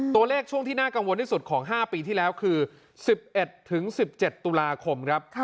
ตัวเลขช่วงที่น่ากังวลที่สุดของ๕ปีที่แล้วคือ๑๑๑๑๗ตุลาคมครับ